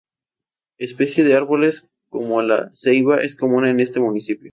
Especies de árboles como la ceiba es común en este municipio.